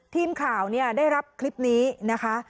ทีมข่าวได้รับคลิปนี้นะคะ